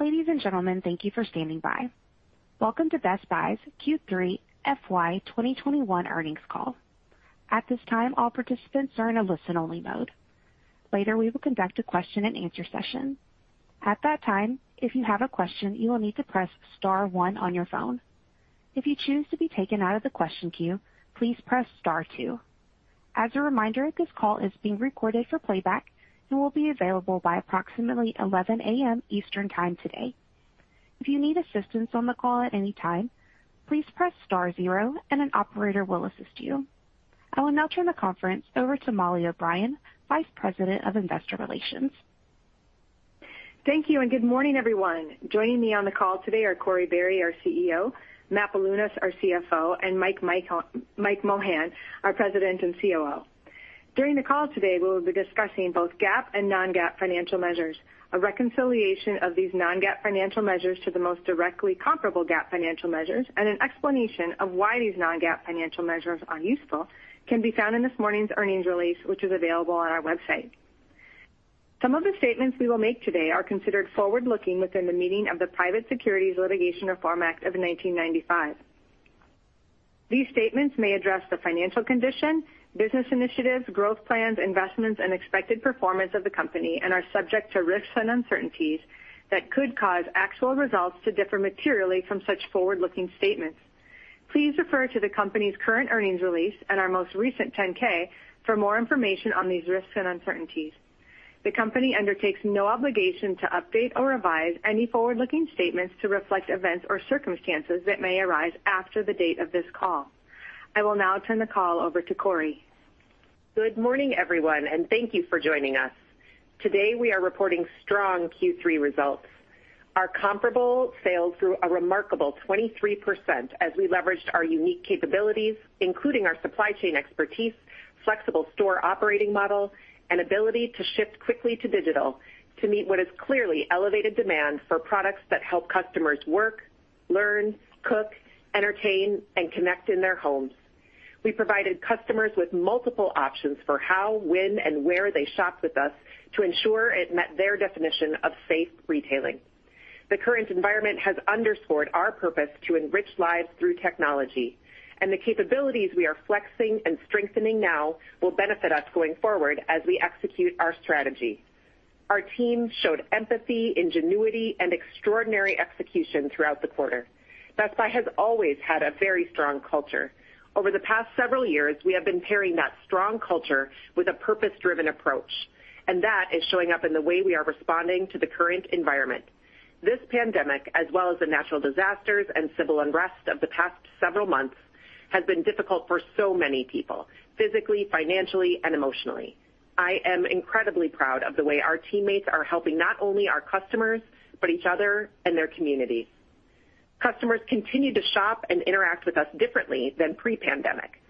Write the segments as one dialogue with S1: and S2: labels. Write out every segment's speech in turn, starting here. S1: Ladies and gentlemen, thank you for standing by. Welcome to Best Buy's Q3 FY 2021 Earnings Call, at this time all participants are in a listen only mode. Later, we will conduct a question-and-answer session. I will now turn the conference over to Mollie O'Brien, Vice President of Investor Relations.
S2: Thank you and good morning, everyone. Joining me on the call today are Corie Barry, our CEO, Matt Bilunas, our CFO, and Mike Mohan, our President and COO. During the call today, we will be discussing both GAAP and non-GAAP financial measures. A reconciliation of these non-GAAP financial measures to the most directly comparable GAAP financial measures, and an explanation of why these non-GAAP financial measures are useful can be found in this morning's earnings release, which is available on our website. Some of the statements we will make today are considered forward-looking within the meaning of the Private Securities Litigation Reform Act of 1995. These statements may address the financial condition, business initiatives, growth plans, investments, and expected performance of the company and are subject to risks and uncertainties that could cause actual results to differ materially from such forward-looking statements. Please refer to the company's current earnings release and our most recent 10-K for more information on these risks and uncertainties. The company undertakes no obligation to update or revise any forward-looking statements to reflect events or circumstances that may arise after the date of this call. I will now turn the call over to Corie.
S3: Good morning, everyone, and thank you for joining us. Today, we are reporting strong Q3 results. Our comparable sales grew a remarkable 23% as we leveraged our unique capabilities, including our supply chain expertise, flexible store operating model, and ability to shift quickly to digital to meet what is clearly elevated demand for products that help customers work, learn, cook, entertain, and connect in their homes. We provided customers with multiple options for how, when, and where they shop with us to ensure it met their definition of safe retailing. The current environment has underscored our purpose to enrich lives through technology, and the capabilities we are flexing and strengthening now will benefit us going forward as we execute our strategy. Our team showed empathy, ingenuity, and extraordinary execution throughout the quarter. Best Buy has always had a very strong culture. Over the past several years, we have been pairing that strong culture with a purpose-driven approach, and that is showing up in the way we are responding to the current environment. This pandemic, as well as the natural disasters and civil unrest of the past several months, has been difficult for so many people physically, financially, and emotionally. I am incredibly proud of the way our teammates are helping not only our customers, but each other and their communities. Customers continue to shop and interact with us differently than pre-pandemic.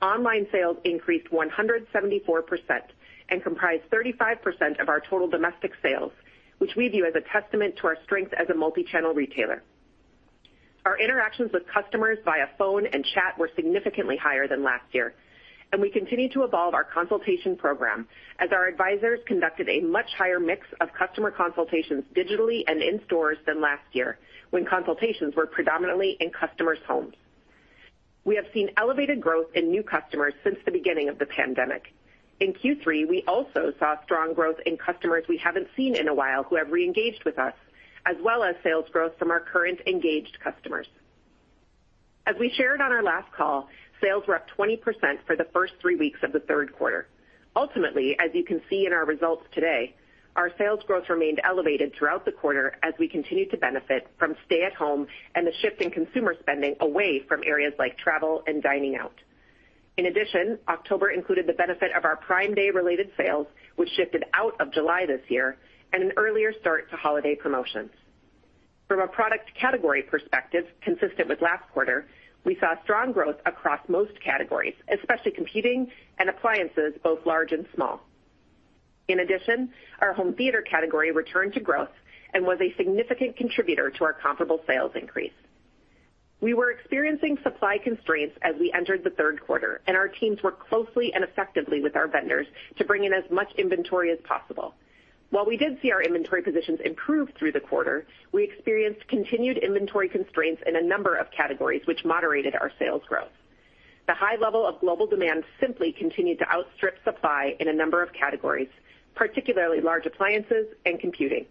S3: Online sales increased 174% and comprised 35% of our total domestic sales, which we view as a testament to our strength as a multi-channel retailer. Our interactions with customers via phone and chat were significantly higher than last year, and we continue to evolve our consultation program as our advisors conducted a much higher mix of customer consultations digitally and in stores than last year when consultations were predominantly in customers' homes. We have seen elevated growth in new customers since the beginning of the pandemic. In Q3, we also saw strong growth in customers we haven't seen in a while who have re-engaged with us, as well as sales growth from our current engaged customers. As we shared on our last call, sales were up 20% for the first three weeks of the third quarter. Ultimately, as you can see in our results today, our sales growth remained elevated throughout the quarter as we continued to benefit from stay-at-home and the shift in consumer spending away from areas like travel and dining out. October included the benefit of our Prime Day-related sales, which shifted out of July this year and an earlier start to holiday promotions. From a product category perspective, consistent with last quarter, we saw strong growth across most categories, especially computing and appliances, both large and small. Our home theater category returned to growth and was a significant contributor to our comparable sales increase. We were experiencing supply constraints as we entered the third quarter, and our teams worked closely and effectively with our vendors to bring in as much inventory as possible. While we did see our inventory positions improve through the quarter, we experienced continued inventory constraints in a number of categories, which moderated our sales growth. The high level of global demand simply continued to outstrip supply in a number of categories, particularly large appliances and computing.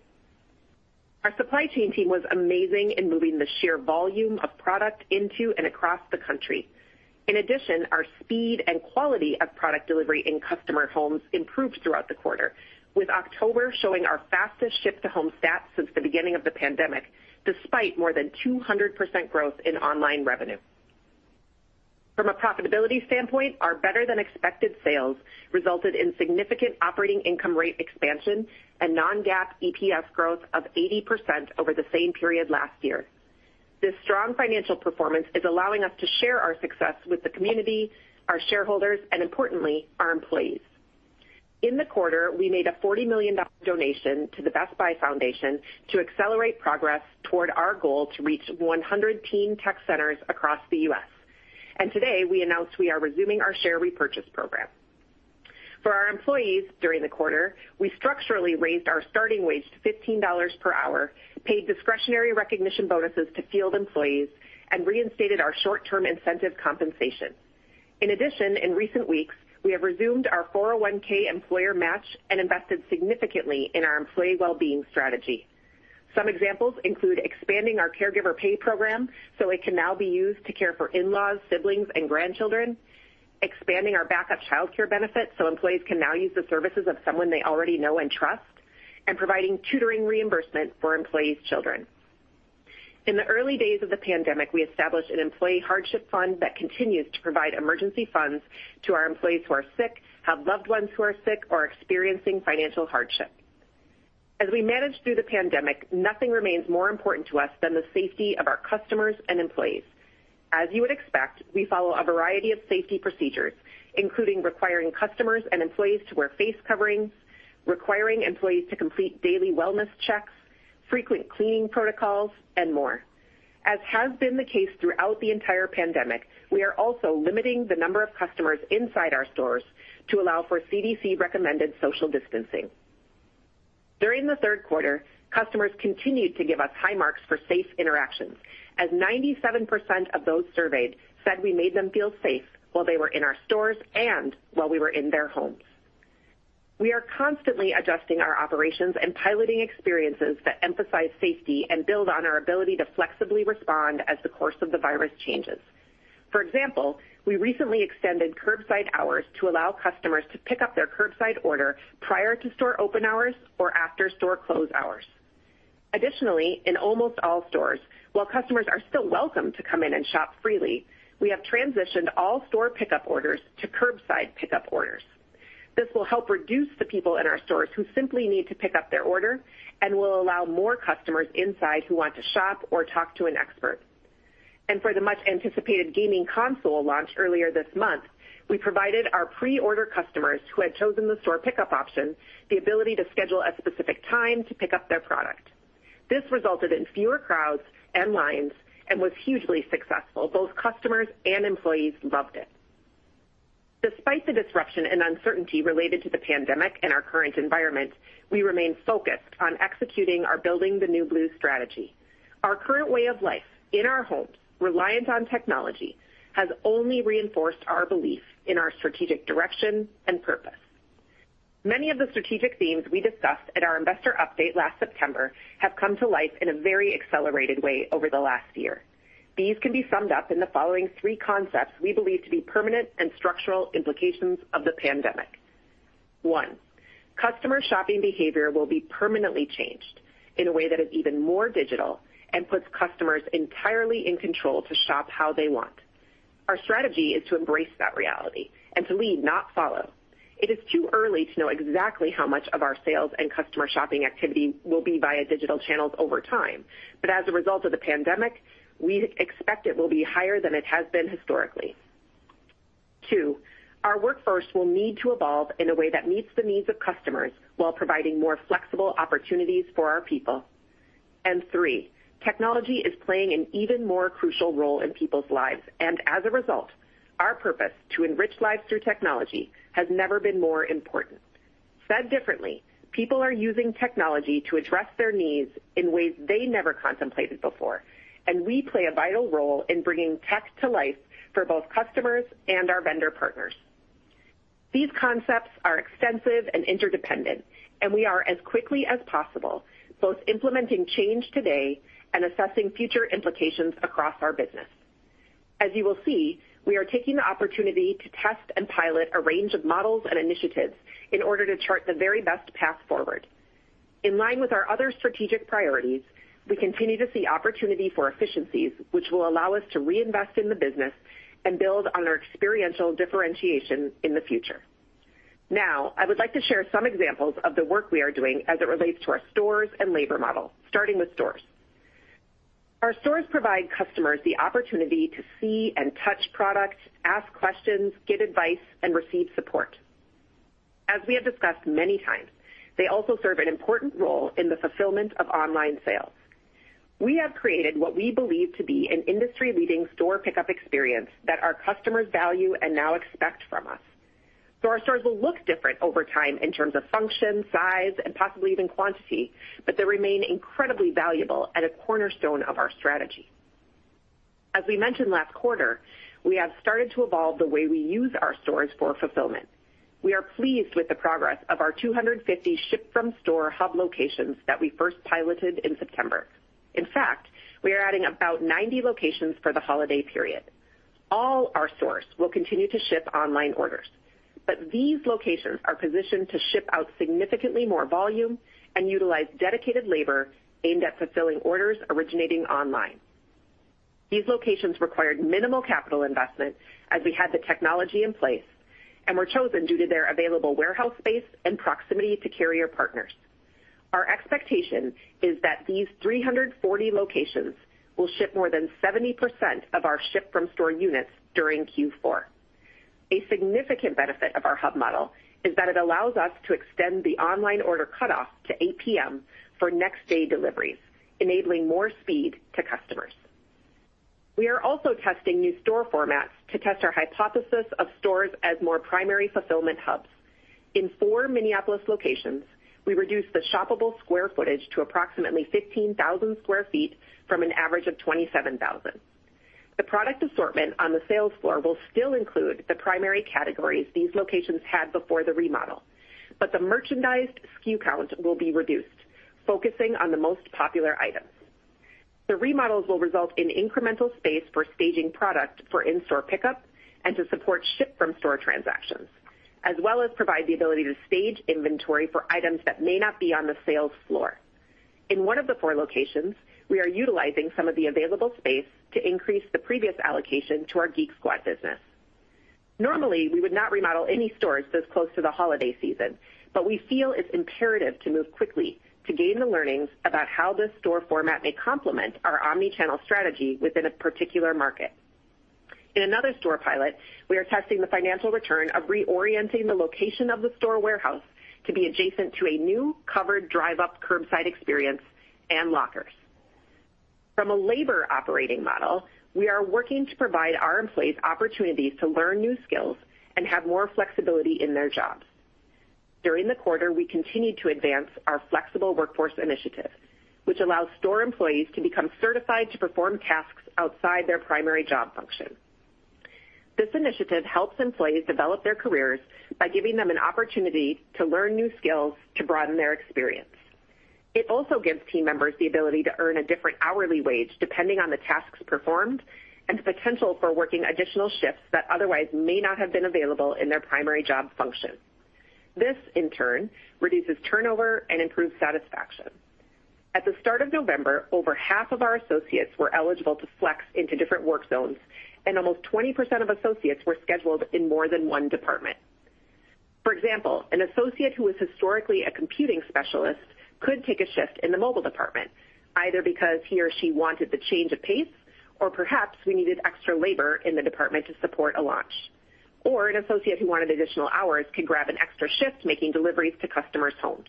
S3: Our supply chain team was amazing in moving the sheer volume of product into and across the country. In addition, our speed and quality of product delivery in customer homes improved throughout the quarter, with October showing our fastest ship-to-home stats since the beginning of the pandemic, despite more than 200% growth in online revenue. From a profitability standpoint, our better-than-expected sales resulted in significant operating income rate expansion and non-GAAP EPS growth of 80% over the same period last year. This strong financial performance is allowing us to share our success with the community, our shareholders, and importantly, our employees. In the quarter, we made a $40 million donation to the Best Buy Foundation to accelerate progress toward our goal to reach 100 Teen Tech Centers across the U.S. Today, we announced we are resuming our share repurchase program. For our employees during the quarter, we structurally raised our starting wage to $15 per hour, paid discretionary recognition bonuses to field employees, and reinstated our short-term incentive compensation. In addition, in recent weeks, we have resumed our 401(k) employer match and invested significantly in our employee wellbeing strategy. Some examples include expanding our caregiver pay program so it can now be used to care for in-laws, siblings, and grandchildren, expanding our backup childcare benefits so employees can now use the services of someone they already know and trust, and providing tutoring reimbursement for employees children. In the early days of the pandemic, we established an employee hardship fund that continues to provide emergency funds to our employees who are sick, have loved ones who are sick, or are experiencing financial hardship. As we manage through the pandemic, nothing remains more important to us than the safety of our customers and employees. As you would expect, we follow a variety of safety procedures, including requiring customers and employees to wear face coverings, requiring employees to complete daily wellness checks, frequent cleaning protocols, and more. As has been the case throughout the entire pandemic, we are also limiting the number of customers inside our stores to allow for CDC-recommended social distancing. During the third quarter, customers continued to give us high marks for safe interactions, as 97% of those surveyed said we made them feel safe while they were in our stores and while we were in their homes. We are constantly adjusting our operations and piloting experiences that emphasize safety and build on our ability to flexibly respond as the course of the virus changes. For example, we recently extended curbside hours to allow customers to pick up their curbside order prior to store open hours or after store close hours. Additionally, in almost all stores, while customers are still welcome to come in and shop freely, we have transitioned all store pickup orders to curbside pickup orders. This will help reduce the people in our stores who simply need to pick up their order and will allow more customers inside who want to shop or talk to an expert. For the much-anticipated gaming console launch earlier this month, we provided our pre-order customers who had chosen the store pickup option the ability to schedule a specific time to pick up their product. This resulted in fewer crowds and lines and was hugely successful. Both customers and employees loved it. Despite the disruption and uncertainty related to the pandemic and our current environment, we remain focused on executing our Building the New Blue strategy. Our current way of life in our homes, reliant on technology, has only reinforced our belief in our strategic direction and purpose. Many of the strategic themes we discussed at our investor update last September have come to life in a very accelerated way over the last year. These can be summed up in the following three concepts we believe to be permanent and structural implications of the pandemic. One, customer shopping behavior will be permanently changed in a way that is even more digital and puts customers entirely in control to shop how they want. Our strategy is to embrace that reality and to lead, not follow. It is too early to know exactly how much of our sales and customer shopping activity will be via digital channels over time, but as a result of the pandemic, we expect it will be higher than it has been historically. Two, our workforce will need to evolve in a way that meets the needs of customers while providing more flexible opportunities for our people. Three, technology is playing an even more crucial role in people's lives, and as a result, our purpose to enrich lives through technology has never been more important. Said differently, people are using technology to address their needs in ways they never contemplated before, and we play a vital role in bringing tech to life for both customers and our vendor partners. These concepts are extensive and interdependent, and we are as quickly as possible both implementing change today and assessing future implications across our business. As you will see, we are taking the opportunity to test and pilot a range of models and initiatives in order to chart the very best path forward. In line with our other strategic priorities, we continue to see opportunity for efficiencies, which will allow us to reinvest in the business and build on our experiential differentiation in the future. Now, I would like to share some examples of the work we are doing as it relates to our stores and labor model, starting with stores. Our stores provide customers the opportunity to see and touch products, ask questions, get advice, and receive support. As we have discussed many times, they also serve an important role in the fulfillment of online sales. We have created what we believe to be an industry-leading store pickup experience that our customers value and now expect from us. Our stores will look different over time in terms of function, size, and possibly even quantity, but they remain incredibly valuable and a cornerstone of our strategy. As we mentioned last quarter, we have started to evolve the way we use our stores for fulfillment. We are pleased with the progress of our 250 ship-from-store hub locations that we first piloted in September. In fact, we are adding about 90 locations for the holiday period. All our stores will continue to ship online orders, but these locations are positioned to ship out significantly more volume and utilize dedicated labor aimed at fulfilling orders originating online. These locations required minimal capital investment as we had the technology in place and were chosen due to their available warehouse space and proximity to carrier partners. Our expectation is that these 340 locations will ship more than 70% of our ship-from-store units during Q4. A significant benefit of our hub model is that it allows us to extend the online order cutoff to 8:00 P.M. for next-day deliveries, enabling more speed to customers. We are also testing new store formats to test our hypothesis of stores as more primary fulfillment hubs. In four Minneapolis locations, we reduced the shoppable square footage to approximately 15,000 sq ft from an average of 27,000 sq ft. The product assortment on the sales floor will still include the primary categories these locations had before the remodel, but the merchandised SKU count will be reduced, focusing on the most popular items. The remodels will result in incremental space for staging product for in-store pickup and to support ship-from-store transactions, as well as provide the ability to stage inventory for items that may not be on the sales floor. In one of the four locations, we are utilizing some of the available space to increase the previous allocation to our Geek Squad business. Normally, we would not remodel any stores this close to the holiday season, but we feel it's imperative to move quickly to gain the learnings about how this store format may complement our omni-channel strategy within a particular market. In another store pilot, we are testing the financial return of reorienting the location of the store warehouse to be adjacent to a new covered drive-up curbside experience and lockers. From a labor operating model, we are working to provide our employees opportunities to learn new skills and have more flexibility in their jobs. During the quarter, we continued to advance our flexible workforce initiative, which allows store employees to become certified to perform tasks outside their primary job function. This initiative helps employees develop their careers by giving them an opportunity to learn new skills to broaden their experience. It also gives team members the ability to earn a different hourly wage depending on the tasks performed and the potential for working additional shifts that otherwise may not have been available in their primary job function. This, in turn, reduces turnover and improves satisfaction. At the start of November, over half of our associates were eligible to flex into different work zones, and almost 20% of associates were scheduled in more than one department. For example, an associate who was historically a computing specialist could take a shift in the mobile department, either because he or she wanted the change of pace, or perhaps we needed extra labor in the department to support a launch. An associate who wanted additional hours could grab an extra shift making deliveries to customers' homes.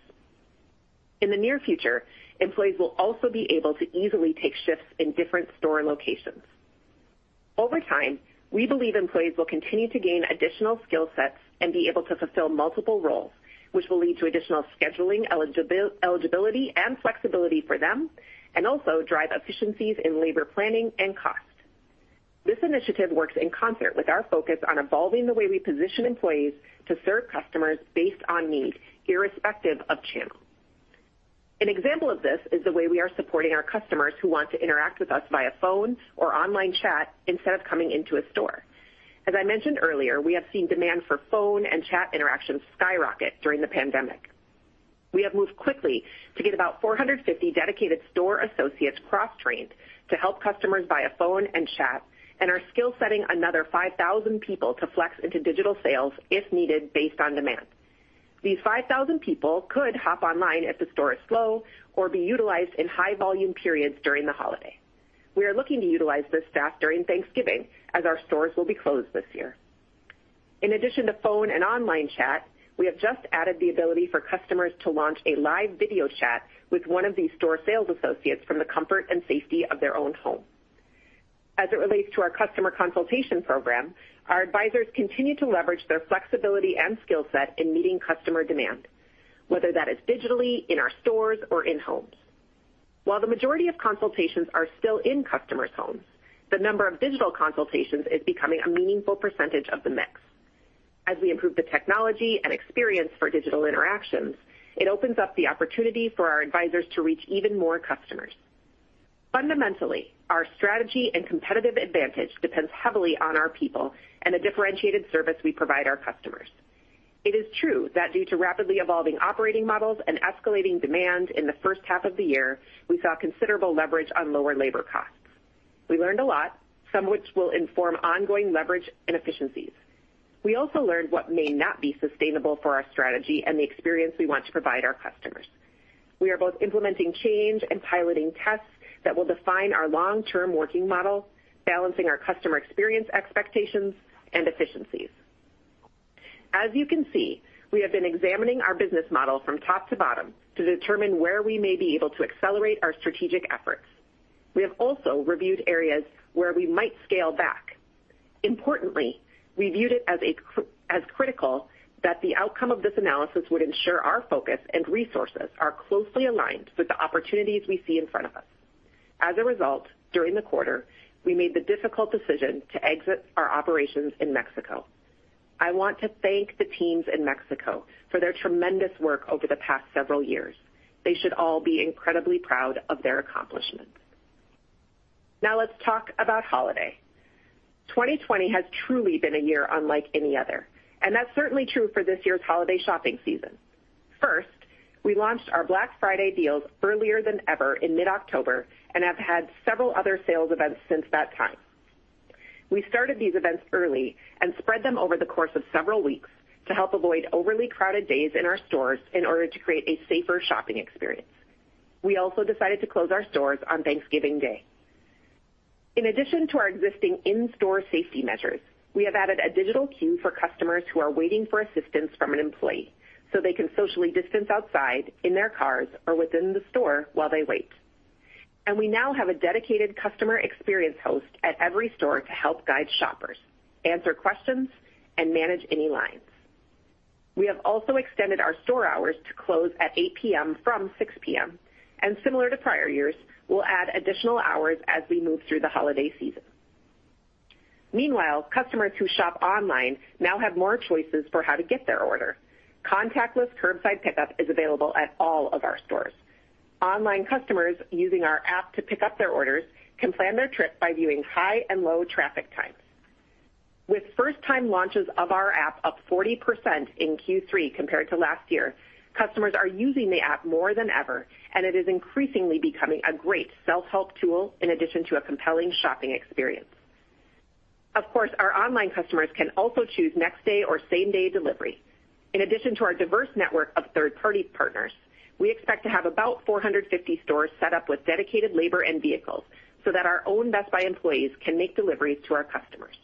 S3: In the near future, employees will also be able to easily take shifts in different store locations. Over time, we believe employees will continue to gain additional skill sets and be able to fulfill multiple roles, which will lead to additional scheduling eligibility and flexibility for them and also drive efficiencies in labor planning and cost. This initiative works in concert with our focus on evolving the way we position employees to serve customers based on need, irrespective of channel. An example of this is the way we are supporting our customers who want to interact with us via phone or online chat instead of coming into a store. As I mentioned earlier, we have seen demand for phone and chat interactions skyrocket during the pandemic. We have moved quickly to get about 450 dedicated store associates cross-trained to help customers via phone and chat and are skill setting another 5,000 people to flex into digital sales if needed based on demand. These 5,000 people could hop online if the store is slow or be utilized in high-volume periods during the holiday. We are looking to utilize this staff during Thanksgiving as our stores will be closed this year. In addition to phone and online chat, we have just added the ability for customers to launch a live video chat with one of these store sales associates from the comfort and safety of their own home. As it relates to our customer consultation program, our advisors continue to leverage their flexibility and skill set in meeting customer demand, whether that is digitally, in our stores, or in homes. While the majority of consultations are still in customers homes, the number of digital consultations is becoming a meaningful percentage of the mix. As we improve the technology and experience for digital interactions, it opens up the opportunity for our advisors to reach even more customers. Fundamentally, our strategy and competitive advantage depends heavily on our people and the differentiated service we provide our customers. It is true that due to rapidly evolving operating models and escalating demand in the first half of the year, we saw considerable leverage on lower labor costs. We learned a lot, some of which will inform ongoing leverage and efficiencies. We also learned what may not be sustainable for our strategy and the experience we want to provide our customers. We are both implementing change and piloting tests that will define our long-term working model, balancing our customer experience expectations and efficiencies. As you can see, we have been examining our business model from top to bottom to determine where we may be able to accelerate our strategic efforts. We have also reviewed areas where we might scale back. Importantly, we viewed it as critical that the outcome of this analysis would ensure our focus and resources are closely aligned with the opportunities we see in front of us. As a result, during the quarter, we made the difficult decision to exit our operations in Mexico. I want to thank the teams in Mexico for their tremendous work over the past several years. They should all be incredibly proud of their accomplishments. Now let's talk about holiday. 2020 has truly been a year unlike any other, and that's certainly true for this year's holiday shopping season. First, we launched our Black Friday deals earlier than ever in mid-October and have had several other sales events since that time. We started these events early and spread them over the course of several weeks to help avoid overly crowded days in our stores in order to create a safer shopping experience. We also decided to close our stores on Thanksgiving Day. In addition to our existing in-store safety measures, we have added a digital queue for customers who are waiting for assistance from an employee so they can socially distance outside, in their cars or within the store while they wait. We now have a dedicated customer experience host at every store to help guide shoppers, answer questions, and manage any lines. We have also extended our store hours to close at 8:00 P.M. from 6:00 P.M., and similar to prior years, we'll add additional hours as we move through the holiday season. Meanwhile, customers who shop online now have more choices for how to get their order. Contactless curbside pickup is available at all of our stores. Online customers using our app to pick up their orders can plan their trip by viewing high and low traffic times. With first-time launches of our app up 40% in Q3 compared to last year, customers are using the app more than ever, and it is increasingly becoming a great self-help tool in addition to a compelling shopping experience. Of course, our online customers can also choose next-day or same-day delivery. In addition to our diverse network of third-party partners, we expect to have about 450 stores set up with dedicated labor and vehicles so that our own Best Buy employees can make deliveries to our customers.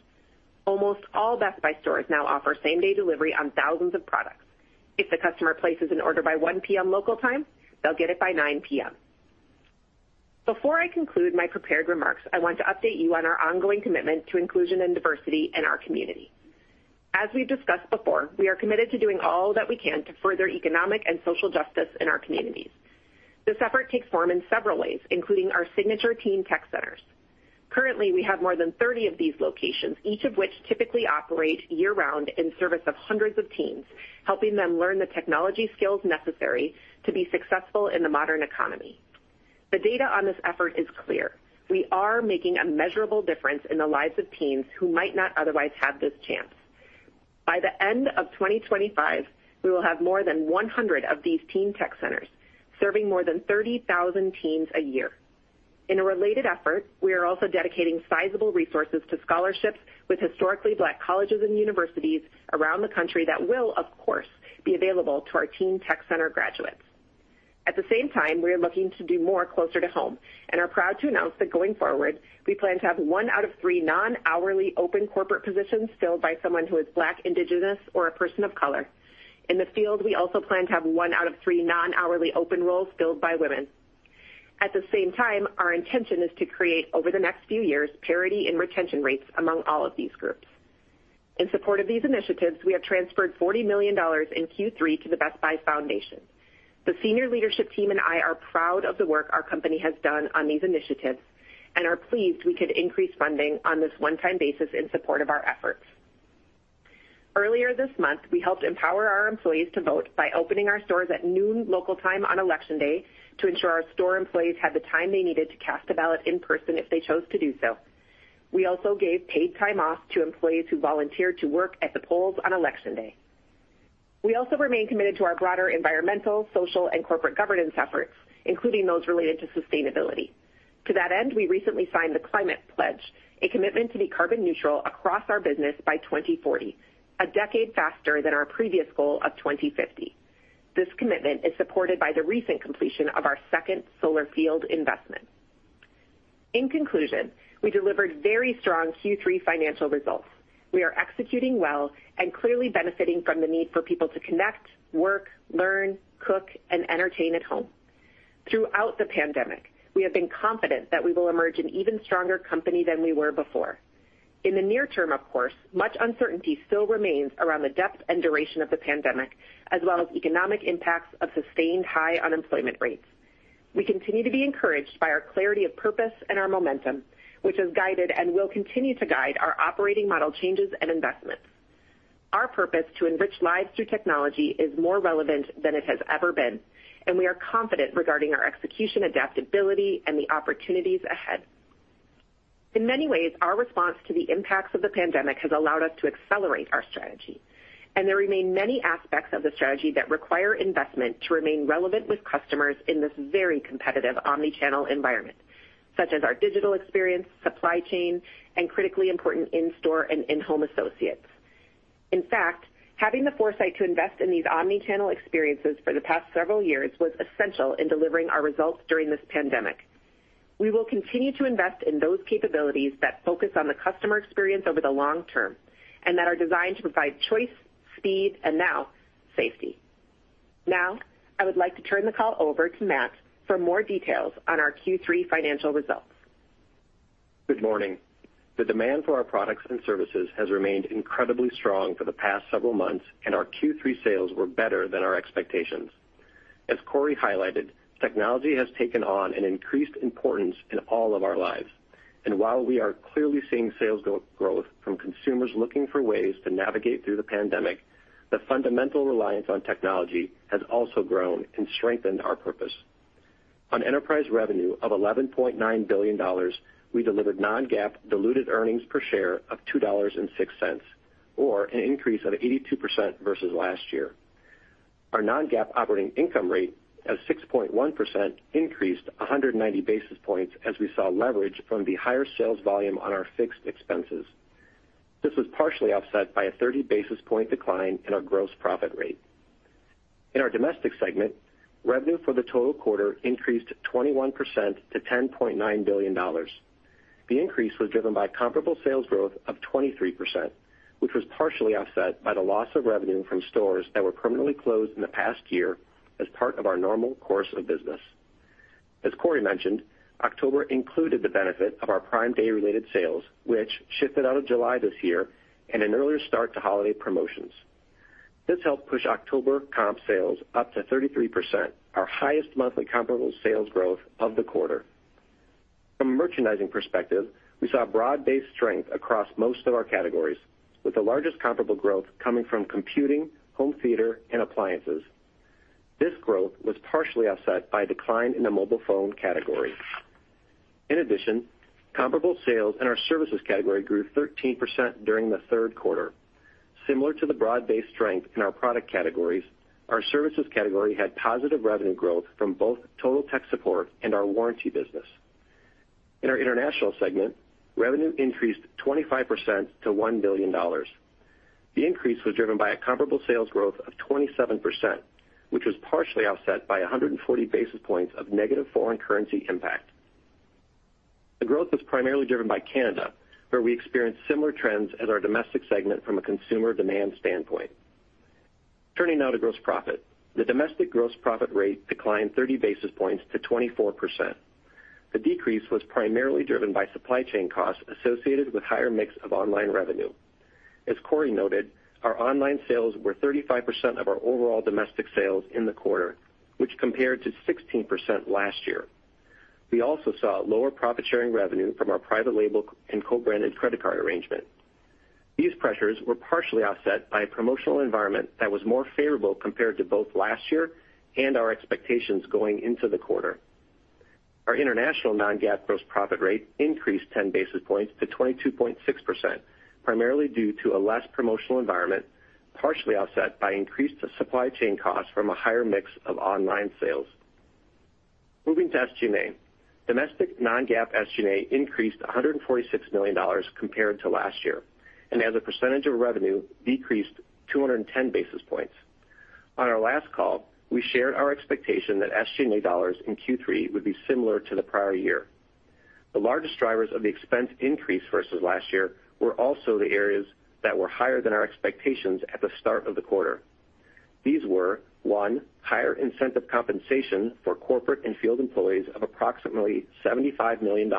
S3: Almost all Best Buy stores now offer same-day delivery on thousands of products. If the customer places an order by 1 P.M. local time, they'll get it by 9 P.M. Before I conclude my prepared remarks, I want to update you on our ongoing commitment to inclusion and diversity in our community. As we've discussed before, we are committed to doing all that we can to further economic and social justice in our communities. This effort takes form in several ways, including our signature Teen Tech Centers. Currently, we have more than 30 of these locations, each of which typically operate year-round in service of hundreds of teens, helping them learn the technology skills necessary to be successful in the modern economy. The data on this effort is clear. We are making a measurable difference in the lives of teens who might not otherwise have this chance. By the end of 2025, we will have more than 100 of these Teen Tech Centers, serving more than 30,000 teens a year. In a related effort, we are also dedicating sizable resources to scholarships with historically Black colleges and universities around the country that will, of course, be available to our Teen Tech Center graduates. At the same time, we are looking to do more closer to home and are proud to announce that going forward, we plan to have one out of three non-hourly open corporate positions filled by someone who is Black, Indigenous, or a person of color. In the field, we also plan to have one out of three non-hourly open roles filled by women. At the same time, our intention is to create, over the next few years, parity in retention rates among all of these groups. In support of these initiatives, we have transferred $40 million in Q3 to the Best Buy Foundation. The senior leadership team and I are proud of the work our company has done on these initiatives and are pleased we could increase funding on this one-time basis in support of our efforts. Earlier this month, we helped empower our employees to vote by opening our stores at noon local time on Election Day to ensure our store employees had the time they needed to cast a ballot in person if they chose to do so. We also gave paid time off to employees who volunteered to work at the polls on Election Day. We also remain committed to our broader environmental, social, and corporate governance efforts, including those related to sustainability. To that end, we recently signed The Climate Pledge, a commitment to be carbon neutral across our business by 2040, a decade faster than our previous goal of 2050. This commitment is supported by the recent completion of our second solar field investment. In conclusion, we delivered very strong Q3 financial results. We are executing well and clearly benefiting from the need for people to connect, work, learn, cook, and entertain at home. Throughout the pandemic, we have been confident that we will emerge an even stronger company than we were before. In the near term, of course, much uncertainty still remains around the depth and duration of the pandemic, as well as economic impacts of sustained high unemployment rates. We continue to be encouraged by our clarity of purpose and our momentum, which has guided and will continue to guide our operating model changes and investments. Our purpose to enrich lives through technology is more relevant than it has ever been, and we are confident regarding our execution, adaptability, and the opportunities ahead. In many ways, our response to the impacts of the pandemic has allowed us to accelerate our strategy, and there remain many aspects of the strategy that require investment to remain relevant with customers in this very competitive omnichannel environment, such as our digital experience, supply chain, and critically important in-store and in-home associates. In fact, having the foresight to invest in these omnichannel experiences for the past several years was essential in delivering our results during this pandemic. We will continue to invest in those capabilities that focus on the customer experience over the long term and that are designed to provide choice, speed, and now, safety. Now, I would like to turn the call over to Matt for more details on our Q3 financial results.
S4: Good morning. The demand for our products and services has remained incredibly strong for the past several months. Our Q3 sales were better than our expectations. As Corie highlighted, technology has taken on an increased importance in all of our lives. While we are clearly seeing sales growth from consumers looking for ways to navigate through the pandemic, the fundamental reliance on technology has also grown and strengthened our purpose. On enterprise revenue of $11.9 billion, we delivered non-GAAP diluted earnings per share of $2.06, or an increase of 82% versus last year. Our non-GAAP operating income rate at 6.1% increased 190 basis points as we saw leverage from the higher sales volume on our fixed expenses. This was partially offset by a 30 basis point decline in our gross profit rate. In our domestic segment, revenue for the total quarter increased 21% to $10.9 billion. The increase was driven by comparable sales growth of 23%, which was partially offset by the loss of revenue from stores that were permanently closed in the past year as part of our normal course of business. As Corie mentioned, October included the benefit of our Prime Day-related sales, which shifted out of July this year and an earlier start to holiday promotions. This helped push October comp sales up to 33%, our highest monthly comparable sales growth of the quarter. From a merchandising perspective, we saw broad-based strength across most of our categories, with the largest comparable growth coming from computing, home theater, and appliances. This growth was partially offset by a decline in the mobile phone category. In addition, comparable sales in our services category grew 13% during the third quarter. Similar to the broad-based strength in our product categories, our services category had positive revenue growth from both Total Tech Support and our warranty business. In our international segment, revenue increased 25% to $1 billion. The increase was driven by a comparable sales growth of 27%, which was partially offset by 140 basis points of negative foreign currency impact. The growth was primarily driven by Canada, where we experienced similar trends as our domestic segment from a consumer demand standpoint. Turning now to gross profit. The domestic gross profit rate declined 30 basis points to 24%. The decrease was primarily driven by supply chain costs associated with higher mix of online revenue. As Corie noted, our online sales were 35% of our overall domestic sales in the quarter, which compared to 16% last year. We also saw lower profit-sharing revenue from our private label and co-branded credit card arrangement. These pressures were partially offset by a promotional environment that was more favorable compared to both last year and our expectations going into the quarter. Our international non-GAAP gross profit rate increased 10 basis points to 22.6%, primarily due to a less promotional environment, partially offset by increased supply chain costs from a higher mix of online sales. Moving to SG&A. Domestic non-GAAP SG&A increased $146 million compared to last year, and as a percentage of revenue, decreased 210 basis points. On our last call, we shared our expectation that SG&A dollars in Q3 would be similar to the prior year. The largest drivers of the expense increase versus last year were also the areas that were higher than our expectations at the start of the quarter. These were, one, higher incentive compensation for corporate and field employees of approximately $75 million.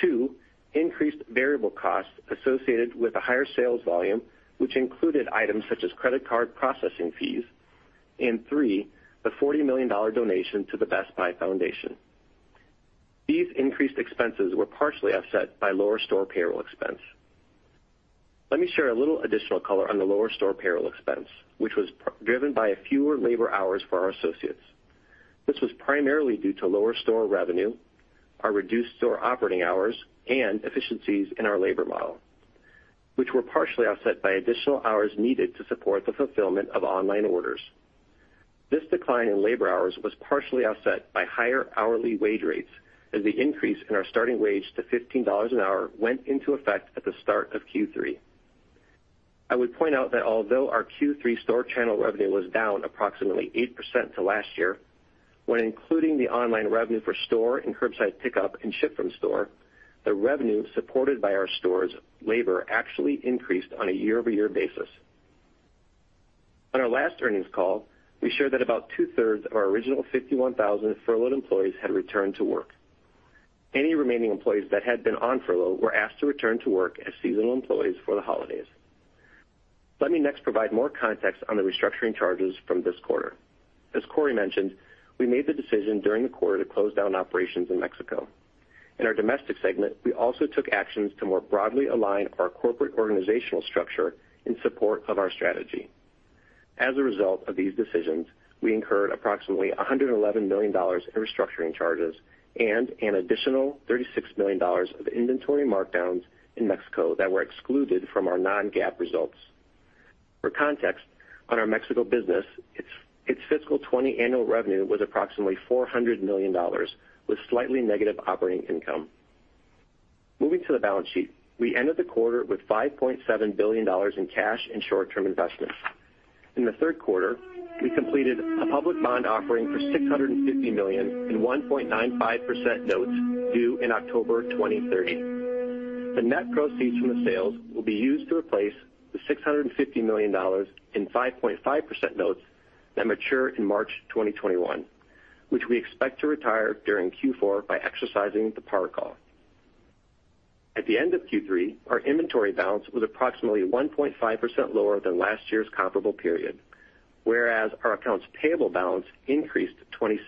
S4: Two, increased variable costs associated with a higher sales volume, which included items such as credit card processing fees. Three, the $40 million donation to the Best Buy Foundation. These increased expenses were partially offset by lower store payroll expense. Let me share a little additional color on the lower store payroll expense, which was driven by fewer labor hours for our associates. This was primarily due to lower store revenue, our reduced store operating hours, and efficiencies in our labor model, which were partially offset by additional hours needed to support the fulfillment of online orders. This decline in labor hours was partially offset by higher hourly wage rates, as the increase in our starting wage to $15 an hour went into effect at the start of Q3. I would point out that although our Q3 store channel revenue was down approximately 8% to last year, when including the online revenue for store and curbside pickup and ship from store, the revenue supported by our stores' labor actually increased on a year-over-year basis. On our last earnings call, we shared that about 2/3 of our original 51,000 furloughed employees had returned to work. Any remaining employees that had been on furlough were asked to return to work as seasonal employees for the holidays. Let me next provide more context on the restructuring charges from this quarter. As Corie mentioned, we made the decision during the quarter to close down operations in Mexico. In our domestic segment, we also took actions to more broadly align our corporate organizational structure in support of our strategy. As a result of these decisions, we incurred approximately $111 million in restructuring charges and an additional $36 million of inventory markdowns in Mexico that were excluded from our non-GAAP results. For context on our Mexico business, its fiscal 2020 annual revenue was approximately $400 million, with slightly negative operating income. Moving to the balance sheet. We ended the quarter with $5.7 billion in cash and short-term investments. In the third quarter, we completed a public bond offering for $650 million in 1.95% notes due in October 2030. The net proceeds from the sales will be used to replace the $650 million in 5.5% notes that mature in March 2021, which we expect to retire during Q4 by exercising the par call. At the end of Q3, our inventory balance was approximately 1.5% lower than last year's comparable period, whereas our accounts payable balance increased 26%.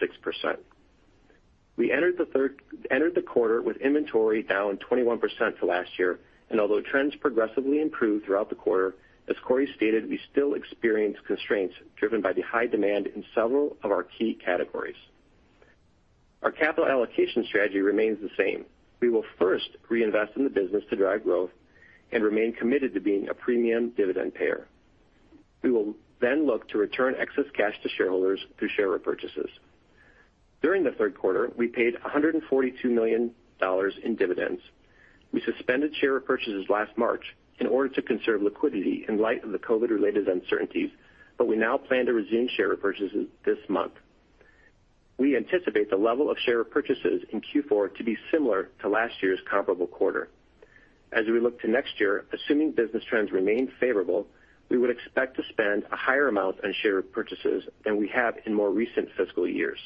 S4: We entered the quarter with inventory down 21% to last year, although trends progressively improved throughout the quarter, as Corie stated, we still experienced constraints driven by the high demand in several of our key categories. Our capital allocation strategy remains the same. We will first reinvest in the business to drive growth and remain committed to being a premium dividend payer. We will then look to return excess cash to shareholders through share repurchases. During the third quarter, we paid $142 million in dividends. We suspended share purchases last March in order to conserve liquidity in light of the COVID-related uncertainties, we now plan to resume share purchases this month. We anticipate the level of share purchases in Q4 to be similar to last year's comparable quarter. As we look to next year, assuming business trends remain favorable, we would expect to spend a higher amount on share purchases than we have in more recent fiscal years.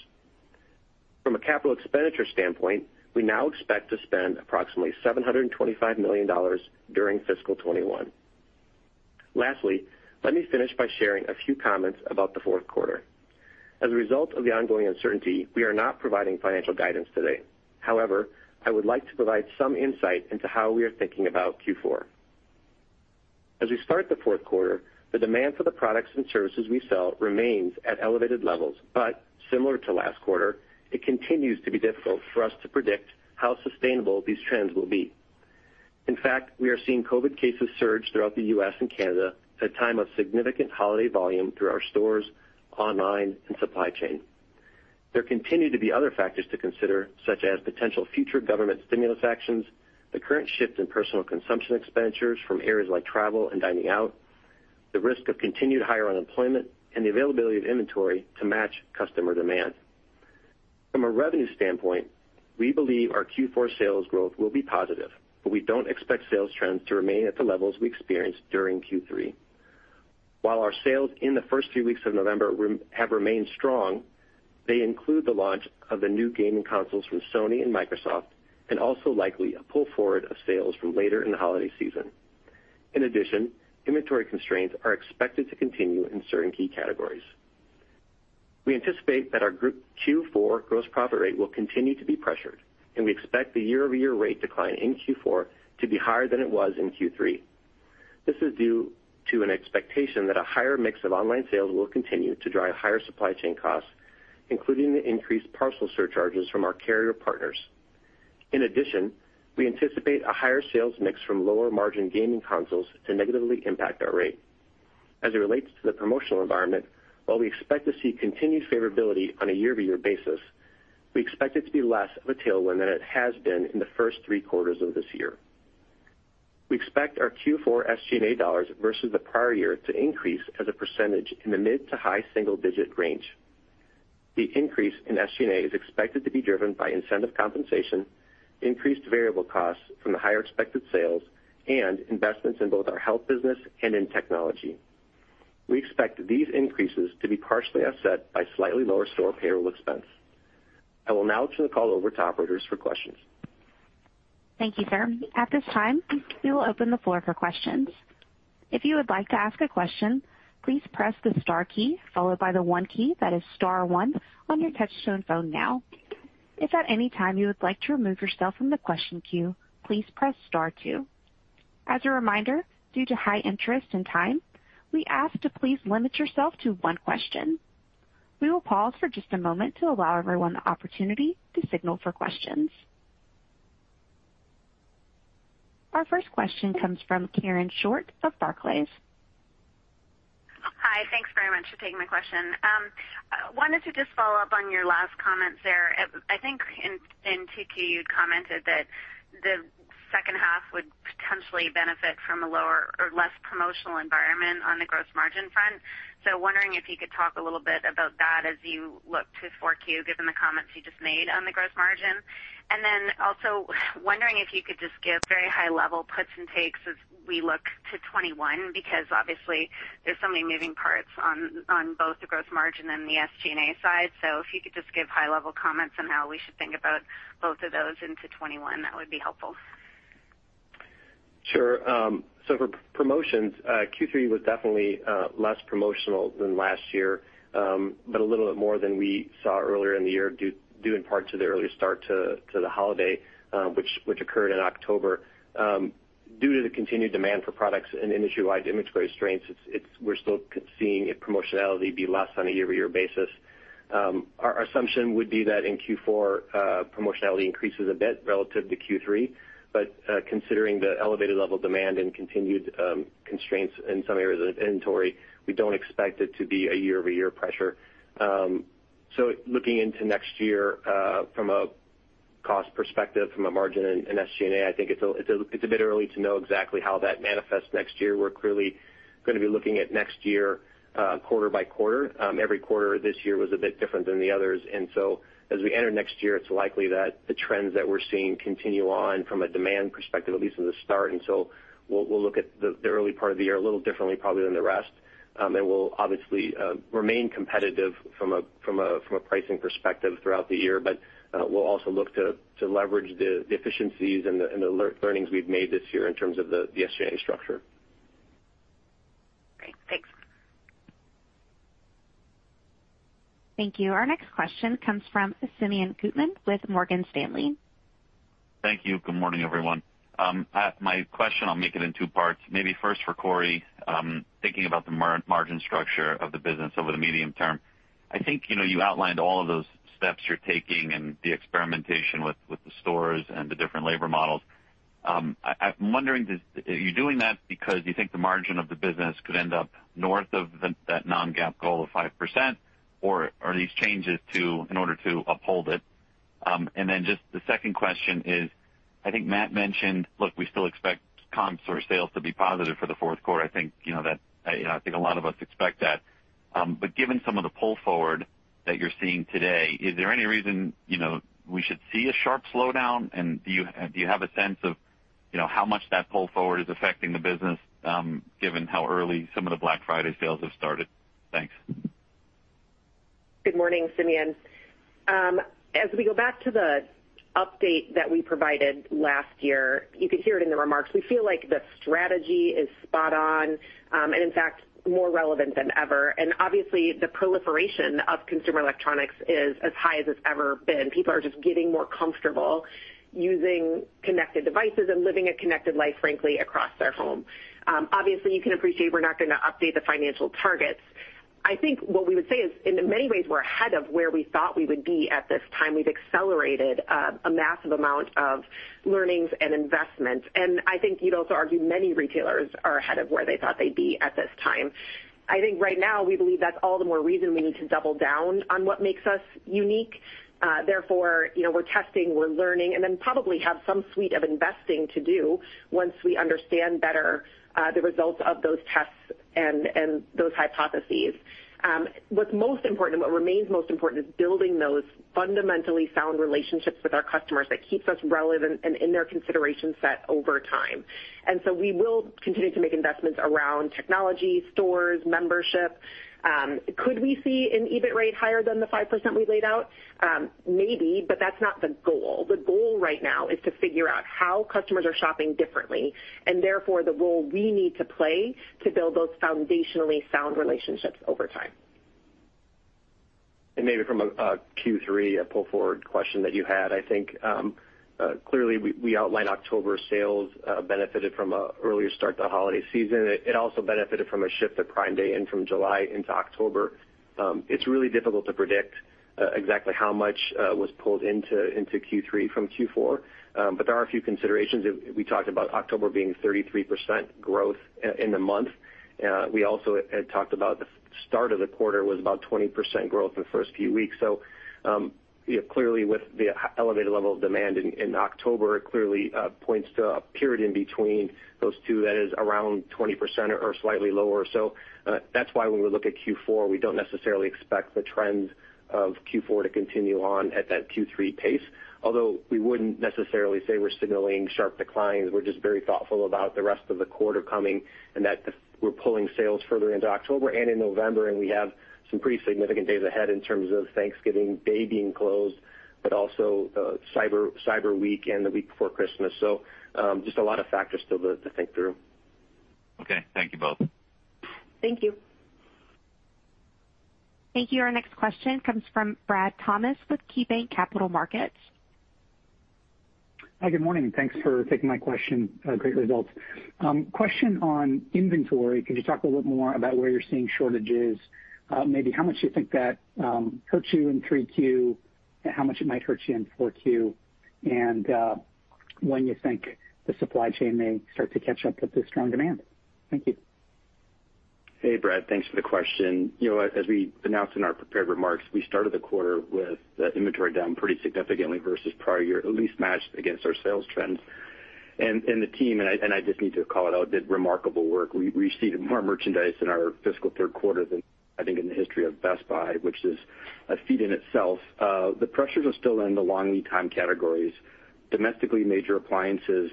S4: From a capital expenditure standpoint, we now expect to spend approximately $725 million during fiscal 2021. Lastly, let me finish by sharing a few comments about the fourth quarter. As a result of the ongoing uncertainty, we are not providing financial guidance today. However, I would like to provide some insight into how we are thinking about Q4. As we start the fourth quarter, the demand for the products and services we sell remains at elevated levels, but similar to last quarter, it continues to be difficult for us to predict how sustainable these trends will be. In fact, we are seeing COVID cases surge throughout the U.S. and Canada at a time of significant holiday volume through our stores, online, and supply chain. There continue to be other factors to consider, such as potential future government stimulus actions, the current shift in personal consumption expenditures from areas like travel and dining out, the risk of continued higher unemployment, and the availability of inventory to match customer demand. From a revenue standpoint, we believe our Q4 sales growth will be positive, but we don't expect sales trends to remain at the levels we experienced during Q3. While our sales in the first few weeks of November have remained strong, they include the launch of the new gaming consoles from Sony and Microsoft, and also likely a pull forward of sales from later in the holiday season. In addition, inventory constraints are expected to continue in certain key categories. We anticipate that our Group Q4 gross profit rate will continue to be pressured, and we expect the year-over-year rate decline in Q4 to be higher than it was in Q3. This is due to an expectation that a higher mix of online sales will continue to drive higher supply chain costs, including the increased parcel surcharges from our carrier partners. In addition, we anticipate a higher sales mix from lower margin gaming consoles to negatively impact our rate. As it relates to the promotional environment, while we expect to see continued favorability on a year-over-year basis, we expect it to be less of a tailwind than it has been in the first three quarters of this year. We expect our Q4 SG&A dollars versus the prior year to increase as a percentage in the mid to high single-digit range. The increase in SG&A is expected to be driven by incentive compensation, increased variable costs from the higher expected sales, and investments in both our health business and in technology. We expect these increases to be partially offset by slightly lower store payroll expense. I will now turn the call over to operators for questions.
S1: Thank you, sir. At this time, we will open the floor for questions. If you would like to ask a question, please press the star key followed by the one key, that is star one, on your touch-tone phone now. If at any time you would like to remove yourself from the question queue, please press star two. As a reminder, due to high interest and time, we ask to please limit yourself to one question. We will pause for just a moment to allow everyone the opportunity to signal for questions. Our first question comes from Karen Short of Barclays.
S5: Hi. Thanks very much for taking my question. Wanted to just follow up on your last comments there. I think in 2Q, you commented that the second half would potentially benefit from a lower or less promotional environment on the gross margin front. Wondering if you could talk a little bit about that as you look to 4Q, given the comments you just made on the gross margin. Also wondering if you could just give very high level puts and takes as we look to 2021, because obviously there's so many moving parts on both the gross margin and the SG&A side. If you could just give high level comments on how we should think about both of those into 2021, that would be helpful.
S4: For promotions, Q3 was definitely less promotional than last year, but a little bit more than we saw earlier in the year, due in part to the earlier start to the holiday, which occurred in October. Due to the continued demand for products and industry-wide inventory constraints, we're still seeing promotionally be less on a year-over-year basis. Our assumption would be that in Q4, promotionally increases a bit relative to Q3. Considering the elevated level of demand and continued constraints in some areas of inventory, we don't expect it to be a year-over-year pressure. Looking into next year from a cost perspective, from a margin and SG&A, I think it's a bit early to know exactly how that manifests next year. We're clearly going to be looking at next year quarter-by-quarter. Every quarter this year was a bit different than the others. As we enter next year, it's likely that the trends that we're seeing continue on from a demand perspective, at least in the start. We'll look at the early part of the year a little differently probably than the rest. We'll obviously remain competitive from a pricing perspective throughout the year. We'll also look to leverage the efficiencies and the learnings we've made this year in terms of the SG&A structure.
S5: Great. Thanks.
S1: Thank you. Our next question comes from Simeon Gutman with Morgan Stanley.
S6: Thank you. Good morning, everyone. My question, I'll make it in two parts. Maybe first for Corie, thinking about the margin structure of the business over the medium term. I think you outlined all of those steps you're taking and the experimentation with the stores and the different labor models. I'm wondering, are you doing that because you think the margin of the business could end up north of that non-GAAP goal of 5%? Or are these changes in order to uphold it? Then just the second question is, I think Matt mentioned, look, we still expect comps or sales to be positive for the fourth quarter. I think a lot of us expect that. Given some of the pull forward that you're seeing today, is there any reason we should see a sharp slowdown? Do you have a sense of how much that pull forward is affecting the business given how early some of the Black Friday sales have started? Thanks.
S3: Good morning, Simeon. As we go back to the update that we provided last year, you could hear it in the remarks. We feel like the strategy is spot on, and in fact, more relevant than ever. Obviously, the proliferation of consumer electronics is as high as it's ever been. People are just getting more comfortable using connected devices and living a connected life, frankly, across their home. Obviously, you can appreciate we're not going to update the financial targets. I think what we would say is, in many ways, we're ahead of where we thought we would be at this time. We've accelerated a massive amount of learnings and investments. I think you'd also argue many retailers are ahead of where they thought they'd be at this time. I think right now, we believe that's all the more reason we need to double down on what makes us unique. Therefore, we're testing, we're learning, and then probably have some suite of investing to do once we understand better the results of those tests and those hypotheses. What's most important and what remains most important is building those fundamentally sound relationships with our customers that keeps us relevant and in their consideration set over time. We will continue to make investments around technology, stores, membership. Could we see an EBIT rate higher than the 5% we laid out? Maybe, but that's not the goal. The goal right now is to figure out how customers are shopping differently, and therefore the role we need to play to build those foundationally sound relationships over time.
S7: Maybe from a Q3 pull forward question that you had, I think, clearly we outlined October sales benefited from an earlier start to the holiday season. It also benefited from a shift of Prime Day in from July into October. It's really difficult to predict exactly how much was pulled into Q3 from Q4. There are a few considerations. We talked about October being 33% growth in the month. We also had talked about the start of the quarter was about 20% growth in the first few weeks. Clearly with the elevated level of demand in October, it clearly points to a period in between those two that is around 20% or slightly lower. That's why when we look at Q4, we don't necessarily expect the trends of Q4 to continue on at that Q3 pace, although we wouldn't necessarily say we're signaling sharp declines. We're just very thoughtful about the rest of the quarter coming. We're pulling sales further into October and in November. We have some pretty significant days ahead in terms of Thanksgiving Day being closed, but also Cyber Week and the week before Christmas. Just a lot of factors still to think through.
S6: Okay. Thank you both.
S3: Thank you.
S1: Thank you. Our next question comes from Brad Thomas with KeyBanc Capital Markets.
S8: Hi, good morning. Thanks for taking my question. Great results. Question on inventory. Could you talk a little bit more about where you're seeing shortages, maybe how much you think that hurt you in 3Q, and how much it might hurt you in 4Q, and when you think the supply chain may start to catch up with this strong demand. Thank you.
S7: Hey, Brad. Thanks for the question. As we announced in our prepared remarks, we started the quarter with the inventory down pretty significantly versus prior year, at least matched against our sales trends. The team, and I just need to call it out, did remarkable work. We received more merchandise in our fiscal third quarter than I think in the history of Best Buy, which is a feat in itself. The pressures are still in the long lead time categories. Domestically, major appliances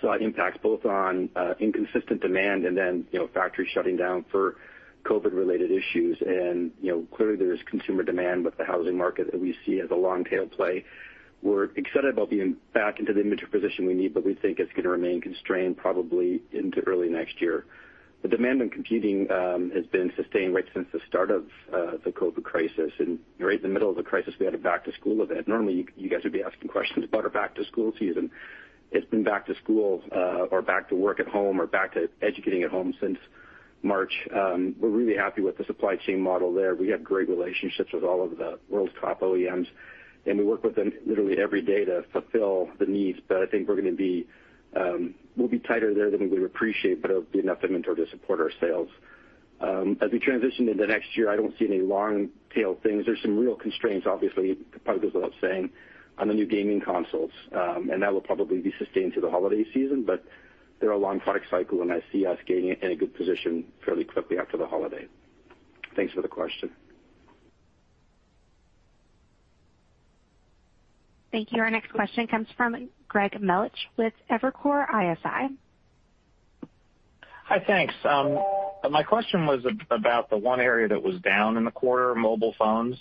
S7: saw impacts both on inconsistent demand then factory shutting down for COVID-related issues. Clearly, there's consumer demand with the housing market that we see as a long-tail play. We're excited about being back into the inventory position we need, but we think it's going to remain constrained probably into early next year. The demand in computing has been sustained right since the start of the COVID crisis. Right in the middle of the crisis, we had a back to school event. Normally, you guys would be asking questions about our back to school season. It's been back to school or back to work at home or back to educating at home since March. We're really happy with the supply chain model there. We have great relationships with all of the world's top OEMs. We work with them literally every day to fulfill the needs. I think we'll be tighter there than we would appreciate, but it'll be enough inventory to support our sales. As we transition into next year, I don't see any long-tail things. There's some real constraints, obviously, probably goes without saying, on the new gaming consoles. That will probably be sustained through the holiday season, but they're a long product cycle, and I see us getting in a good position fairly quickly after the holiday. Thanks for the question.
S1: Thank you. Our next question comes from Greg Melich with Evercore ISI.
S9: Hi, thanks. My question was about the one area that was down in the quarter, mobile phones.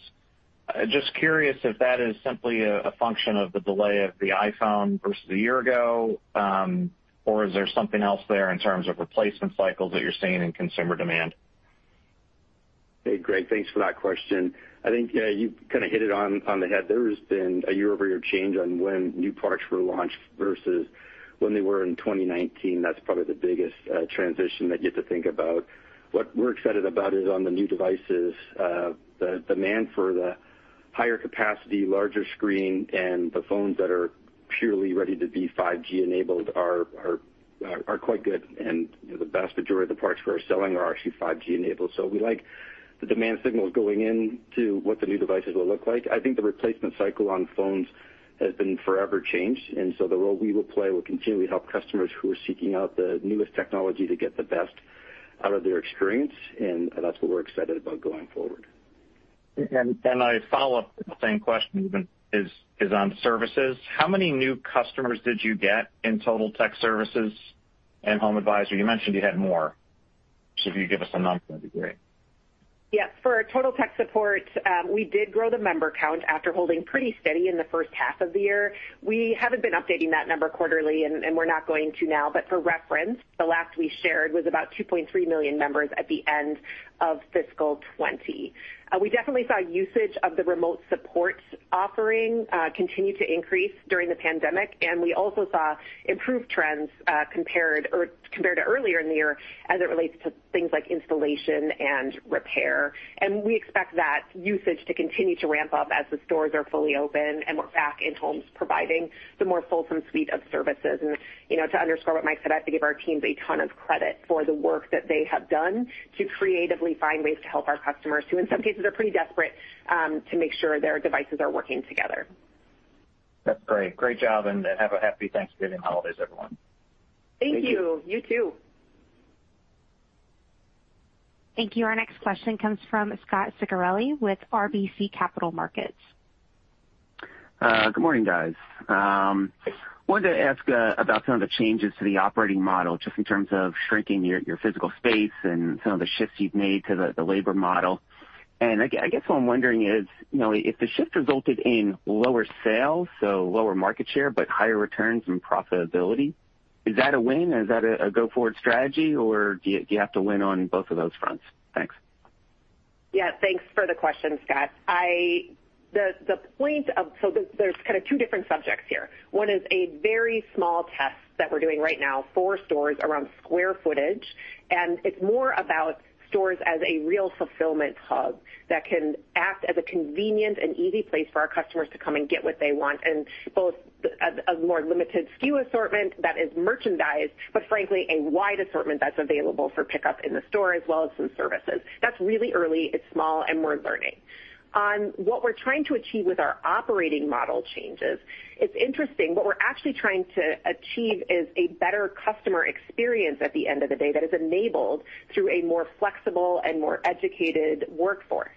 S9: Just curious if that is simply a function of the delay of the iPhone versus a year ago, or is there something else there in terms of replacement cycles that you're seeing in consumer demand?
S7: Hey, Greg, thanks for that question. I think you hit it on the head. There has been a year-over-year change on when new products were launched versus when they were in 2019. That's probably the biggest transition that you have to think about. What we're excited about is on the new devices, the demand for the higher capacity, larger screen, and the phones that are purely ready to be 5G enabled are quite good. The vast majority of the parts we're selling are actually 5G enabled. We like the demand signals going into what the new devices will look like. I think the replacement cycle on phones has been forever changed, the role we will play will continually help customers who are seeking out the newest technology to get the best out of their experience. That's what we're excited about going forward.
S9: A follow-up to the same question is on services. How many new customers did you get in Total Tech Support and In-Home Advisor? You mentioned you had more. If you give us a number, that'd be great.
S3: Yes. For Total Tech Support, we did grow the member count after holding pretty steady in the first half of the year. We haven't been updating that number quarterly, and we're not going to now, but for reference, the last we shared was about 2.3 million members at the end of FY 2020. We definitely saw usage of the remote support offering continue to increase during the pandemic, and we also saw improved trends compared to earlier in the year as it relates to things like installation and repair. We expect that usage to continue to ramp up as the stores are fully open and we're back in homes providing the more fulsome suite of services. To underscore what Mike said, I have to give our teams a ton of credit for the work that they have done to creatively find ways to help our customers, who in some cases are pretty desperate, to make sure their devices are working together.
S9: That's great. Great job, and have a happy Thanksgiving holiday, everyone.
S3: Thank you. You too.
S1: Thank you. Our next question comes from Scot Ciccarelli with RBC Capital Markets.
S10: Good morning, guys. Wanted to ask about some of the changes to the operating model, just in terms of shrinking your physical space and some of the shifts you've made to the labor model. I guess what I'm wondering is, if the shift resulted in lower sales, so lower market share, but higher returns and profitability, is that a win? Is that a go-forward strategy, or do you have to win on both of those fronts? Thanks.
S3: Yeah. Thanks for the question, Scot. There's kind of two different subjects here. One is a very small test that we're doing right now, four stores around square footage, and it's more about stores as a real fulfillment hub that can act as a convenient and easy place for our customers to come and get what they want. Both a more limited SKU assortment that is merchandised, but frankly, a wide assortment that's available for pickup in the store, as well as some services. That's really early, it's small, and we're learning. On what we're trying to achieve with our operating model changes, it's interesting. What we're actually trying to achieve is a better customer experience at the end of the day that is enabled through a more flexible and more educated workforce.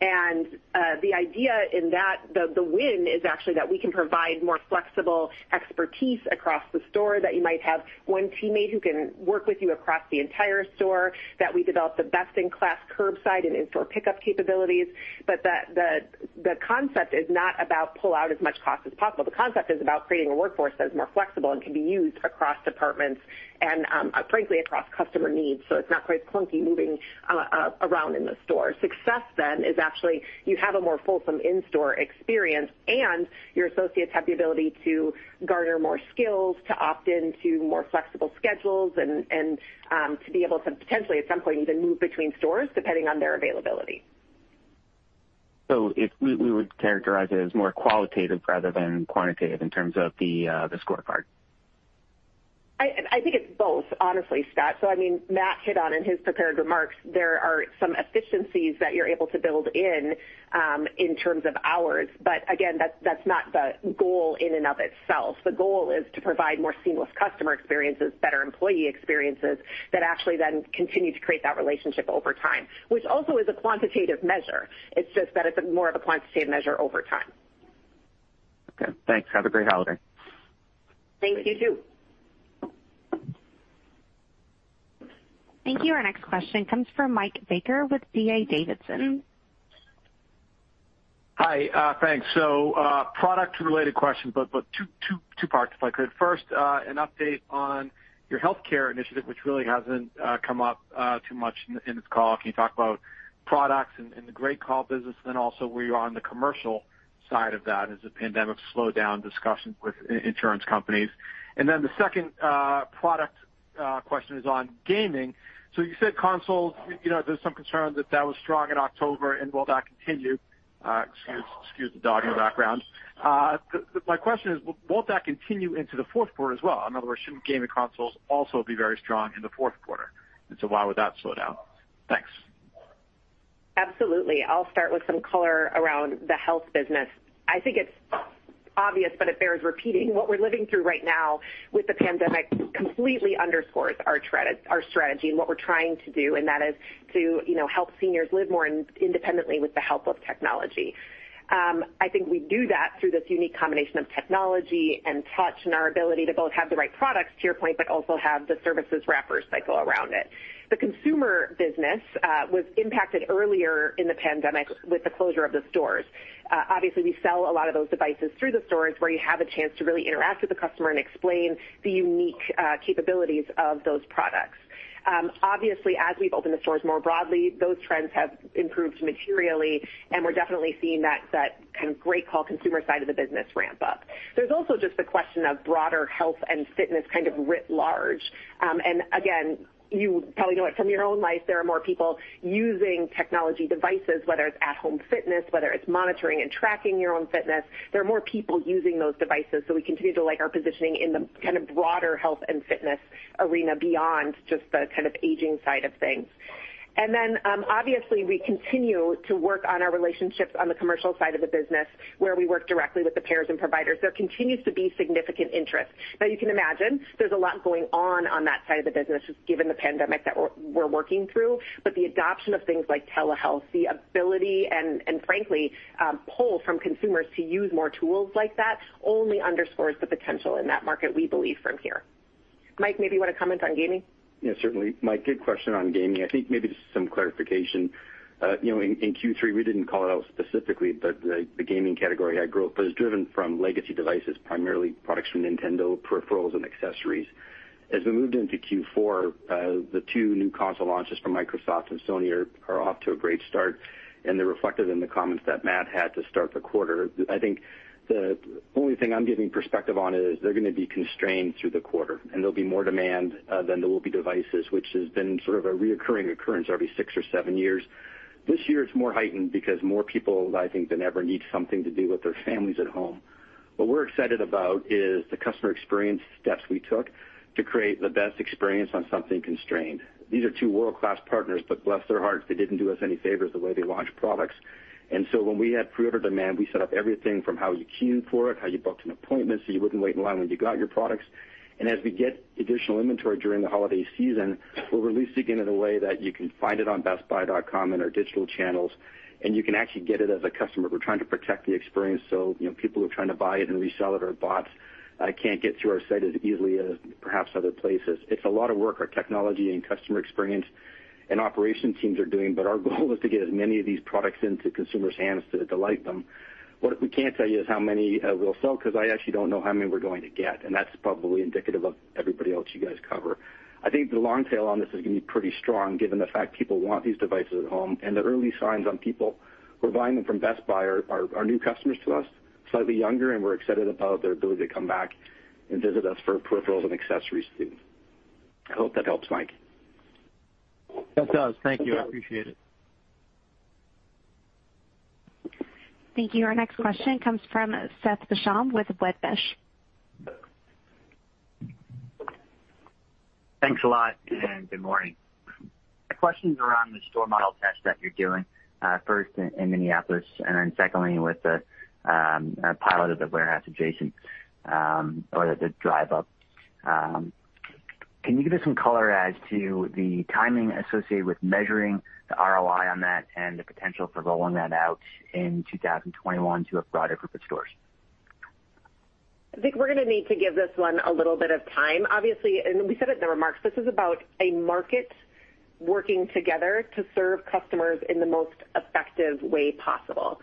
S3: The idea in that, the win is actually that we can provide more flexible expertise across the store, that you might have one teammate who can work with you across the entire store, that we develop the best-in-class curbside and in-store pickup capabilities. The concept is not about pull out as much cost as possible. The concept is about creating a workforce that is more flexible and can be used across departments and, frankly, across customer needs. It's not quite clunky moving around in the store. Success is actually you have a more fulsome in-store experience and your associates have the ability to garner more skills, to opt in to more flexible schedules and to be able to potentially, at some point, even move between stores depending on their availability.
S10: We would characterize it as more qualitative rather than quantitative in terms of the scorecard.
S3: I think it's both, honestly, Scot. Matt hit on in his prepared remarks, there are some efficiencies that you're able to build in terms of hours, but again, that's not the goal in and of itself. The goal is to provide more seamless customer experiences, better employee experiences that actually then continue to create that relationship over time, which also is a quantitative measure. It's just that it's more of a quantitative measure over time.
S10: Okay. Thanks. Have a great holiday.
S3: Thank you. You too.
S1: Thank you. Our next question comes from Mike Baker with D.A. Davidson.
S11: Hi. Thanks. Product related questions, but two parts, if I could. First, an update on your healthcare initiative, which really hasn't come up too much in this call. Can you talk about products and the GreatCall business and then also where you are on the commercial side of that as the pandemic slowed down discussions with insurance companies. The second product question is on gaming. You said consoles. There's some concern that that was strong in October and will that continue? Excuse the dog in the background. My question is, won't that continue into the fourth quarter as well? In other words, shouldn't gaming consoles also be very strong in the fourth quarter? Why would that slow down? Thanks.
S3: Absolutely. I'll start with some color around the health business. I think it's obvious, but it bears repeating. What we're living through right now with the pandemic completely underscores our strategy and what we're trying to do, and that is to help seniors live more independently with the help of technology. I think we do that through this unique combination of technology and touch and our ability to both have the right products, to your point, but also have the services wrapper cycle around it. The consumer business was impacted earlier in the pandemic with the closure of the stores. Obviously, we sell a lot of those devices through the stores where you have a chance to really interact with the customer and explain the unique capabilities of those products. Obviously, as we've opened the stores more broadly, those trends have improved materially, and we're definitely seeing that Kind of GreatCall consumer side of the business ramp up. There's also just the question of broader health and fitness kind of writ large. Again, you probably know it from your own life, there are more people using technology devices, whether it's at-home fitness, whether it's monitoring and tracking your own fitness. There are more people using those devices. We continue to like our positioning in the kind of broader health and fitness arena beyond just the kind of aging side of things. Obviously, we continue to work on our relationships on the commercial side of the business, where we work directly with the payers and providers. There continues to be significant interest. You can imagine there's a lot going on on that side of the business, just given the pandemic that we're working through, but the adoption of things like telehealth, the ability and frankly, pull from consumers to use more tools like that only underscores the potential in that market, we believe from here. Mike, maybe you want to comment on gaming?
S7: Yeah, certainly. Mike, good question on gaming. I think maybe just some clarification. In Q3 we didn't call it out specifically, but the gaming category had growth, but it's driven from legacy devices, primarily products from Nintendo, peripherals, and accessories. As we moved into Q4, the two new console launches from Microsoft and Sony are off to a great start, and they're reflected in the comments that Matt had to start the quarter. I think the only thing I'm giving perspective on is they're going to be constrained through the quarter, and there'll be more demand than there will be devices, which has been sort of a reoccurring occurrence every six or seven years. This year it's more heightened because more people, I think, than ever need something to do with their families at home. What we're excited about is the customer experience steps we took to create the best experience on something constrained. These are two world-class partners, but bless their hearts, they didn't do us any favors the way they launched products. When we had pre-order demand, we set up everything from how you queued for it, how you booked an appointment so you wouldn't wait in line when you got your products. As we get additional inventory during the holiday season, we'll release it again in a way that you can find it on bestbuy.com and our digital channels, and you can actually get it as a customer. We're trying to protect the experience, so people who are trying to buy it and resell it or bots can't get through our site as easily as perhaps other places. It's a lot of work our technology and customer experience and operation teams are doing, but our goal is to get as many of these products into consumers' hands to delight them. What we can't tell you is how many we'll sell because I actually don't know how many we're going to get, and that's probably indicative of everybody else you guys cover. I think the long tail on this is going to be pretty strong given the fact people want these devices at home and the early signs on people who are buying them from Best Buy are new customers to us, slightly younger, and we're excited about their ability to come back and visit us for peripherals and accessories too. I hope that helps, Mike.
S11: That does. Thank you. I appreciate it.
S1: Thank you. Our next question comes from Seth Basham with Wedbush.
S12: Thanks a lot and good morning. My question's around the store model test that you're doing, first in Minneapolis and then secondly with the pilot of the warehouse adjacent or the drive up. Can you give us some color as to the timing associated with measuring the ROI on that and the potential for rolling that out in 2021 to a broader group of stores?
S3: I think we're going to need to give this one a little bit of time. Obviously, and we said it in the remarks, this is about a market working together to serve customers in the most effective way possible.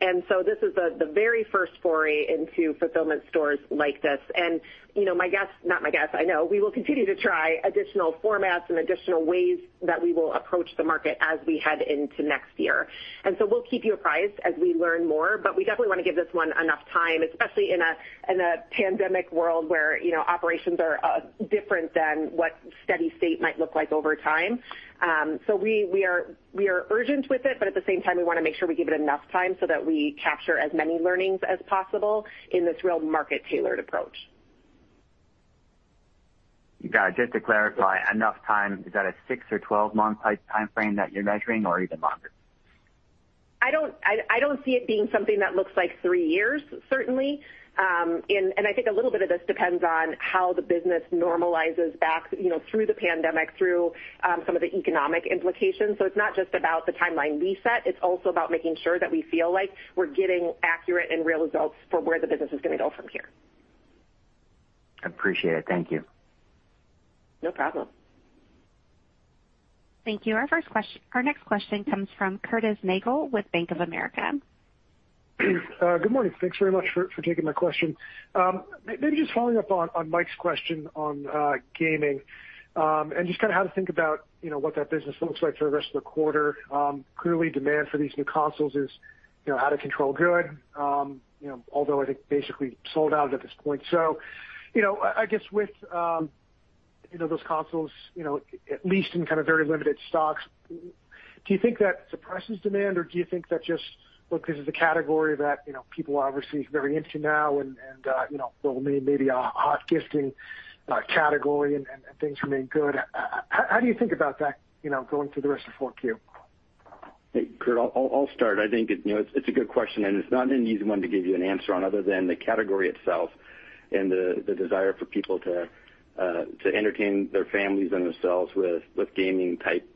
S3: This is the very first foray into fulfillment stores like this. My guess, not my guess, I know, we will continue to try additional formats and additional ways that we will approach the market as we head into next year. We'll keep you apprised as we learn more, but we definitely want to give this one enough time, especially in a pandemic world where operations are different than what steady state might look like over time. We are urgent with it, but at the same time, we want to make sure we give it enough time so that we capture as many learnings as possible in this real market-tailored approach.
S12: You got it. Just to clarify, enough time, is that a six or 12-month timeframe that you're measuring or even longer?
S3: I don't see it being something that looks like three years, certainly. I think a little bit of this depends on how the business normalizes back through the pandemic, through some of the economic implications. It's not just about the timeline we set, it's also about making sure that we feel like we're getting accurate and real results for where the business is going to go from here.
S12: Appreciate it. Thank you.
S3: No problem.
S1: Thank you. Our next question comes from Curtis Nagle with Bank of America.
S13: Good morning. Thanks very much for taking my question. Maybe just following up on Mike's question on gaming, and just kind of how to think about what that business looks like for the rest of the quarter. Clearly, demand for these new consoles is out of control good, although I think basically sold out at this point. I guess with those consoles at least in kind of very limited stocks, do you think that suppresses demand or do you think that just, look, this is a category that people are obviously very into now and will remain maybe a hot gifting category and things remain good. How do you think about that going through the rest of 4Q?
S7: Hey, Curt, I'll start. I think it's a good question and it's not an easy one to give you an answer on other than the category itself and the desire for people to entertain their families and themselves with gaming type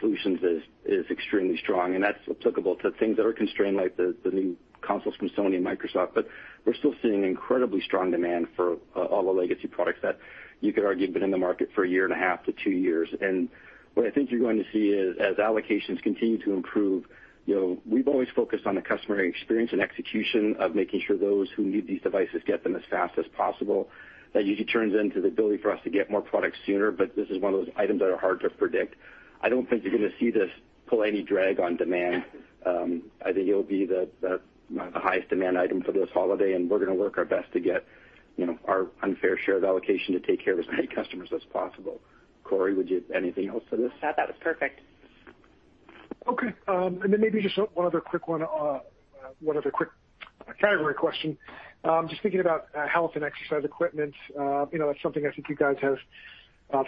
S7: solutions is extremely strong and that's applicable to things that are constrained like the new consoles from Sony and Microsoft. We're still seeing incredibly strong demand for all the legacy products that you could argue been in the market for a year and a half to two years. What I think you're going to see is as allocations continue to improve, we've always focused on the customer experience and execution of making sure those who need these devices get them as fast as possible. That usually turns into the ability for us to get more products sooner. This is one of those items that are hard to predict. I don't think you're going to see this pull any drag on demand. I think it'll be the highest demand item for this holiday, and we're going to work our best to get our unfair share of allocation to take care of as many customers as possible. Corie, would you anything else to this?
S3: No. That was perfect.
S13: Okay. Maybe just one other quick category question. Just thinking about health and exercise equipment. That's something I think you guys have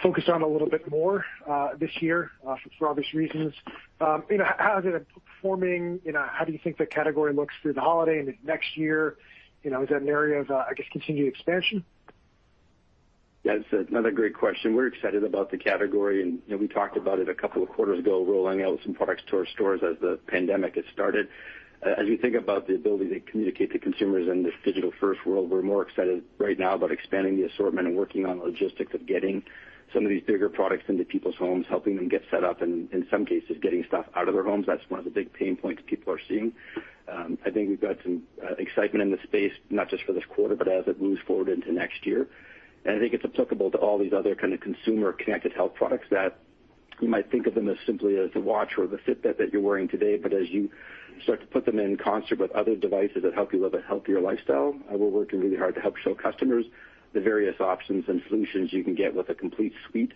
S13: focused on a little bit more this year, for obvious reasons. How is it performing? How do you think the category looks through the holiday and into next year? Is that an area of, I guess, continued expansion?
S7: Yeah. It's another great question. We're excited about the category, and we talked about it a couple of quarters ago, rolling out some products to our stores as the pandemic had started. As we think about the ability to communicate to consumers in this digital first world, we're more excited right now about expanding the assortment and working on the logistics of getting some of these bigger products into people's homes, helping them get set up, and in some cases, getting stuff out of their homes. That's one of the big pain points people are seeing. I think we've got some excitement in the space, not just for this quarter, but as it moves forward into next year. I think it's applicable to all these other kind of consumer connected health products that you might think of them as simply as the watch or the Fitbit that you're wearing today. As you start to put them in concert with other devices that help you live a healthier lifestyle, we're working really hard to help show customers the various options and solutions you can get with a complete suite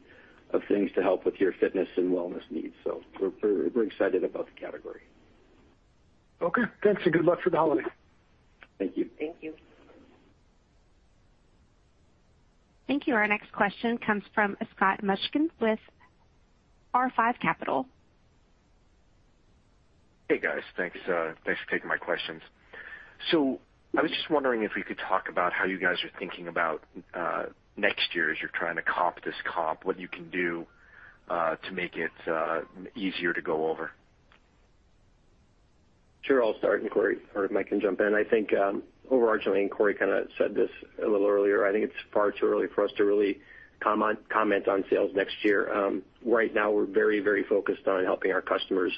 S7: of things to help with your fitness and wellness needs. We're very excited about the category.
S13: Okay. Thanks, and good luck for the holiday.
S7: Thank you.
S3: Thank you.
S1: Thank you. Our next question comes from Scott Mushkin with R5 Capital.
S14: Hey, guys. Thanks for taking my questions. I was just wondering if we could talk about how you guys are thinking about next year as you're trying to comp this comp, what you can do to make it easier to go over.
S4: Sure. I'll start and Corie, or Mike can jump in. I think overarchingly. Corie kind of said this a little earlier, I think it's far too early for us to really comment on sales next year. Right now, we're very focused on helping our customers